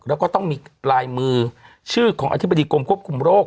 แล้วก็ต้องมีลายมือชื่อของอธิบดีกรมควบคุมโรค